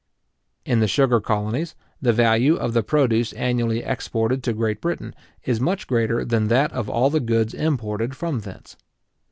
In the sugar colonies, the value of the produce annually exported to Great Britain is much greater than that of all the goods imported from thence.